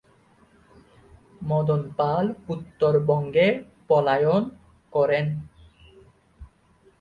মদন পাল উত্তর বঙ্গে পলায়ন করেন।